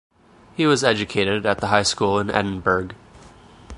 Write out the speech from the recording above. He was educated at the High School in Edinburgh.